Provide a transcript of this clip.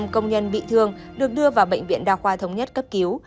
năm công nhân bị thương được đưa vào bệnh viện đa khoa thống nhất cấp cứu